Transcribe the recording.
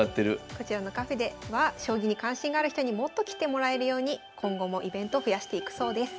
こちらのカフェでは将棋に関心がある人にもっと来てもらえるように今後もイベント増やしていくそうです。